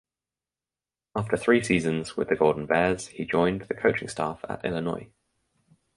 After three seasons with the Golden Bears he joined the coaching staff at Illinois.